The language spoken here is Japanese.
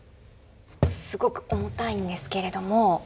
すごく重たいんですけれども。